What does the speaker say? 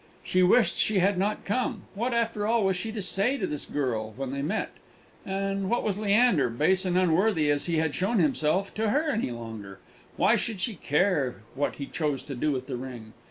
She wished she had not come. What, after all, was she to say to this girl when they met? And what was Leander base and unworthy as he had shown himself to her any longer? Why should she care what he chose to do with the ring?